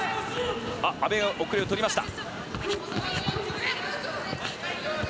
阿部が奥襟を取りました。